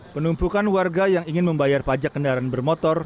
penumpukan warga yang ingin membayar pajak kendaraan bermotor